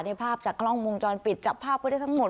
ในภาพจากกล้องมุมจรปิดจับภาพก็ได้ทั้งหมด